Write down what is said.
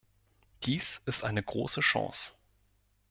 Dies ist eine große Chance.